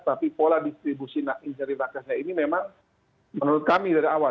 tapi pola distribusi dari rakyatnya ini memang menurut kami dari awal